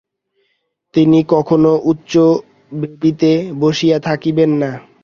তিনি কখনও উচ্চ বেদীতে বসিয়া থাকিতেন না।